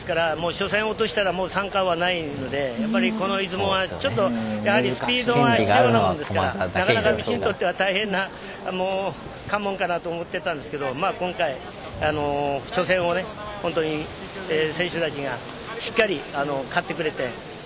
初戦を落としたら３冠はもうないのでやっぱりこの出雲はスピードが必要なもんですからなかなかうちにとっては大変な関門かと思ったんですが今回、初戦を選手たちがしっかり勝ってくれて。